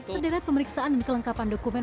sederet pemeriksaan dan kelengkapan dokumen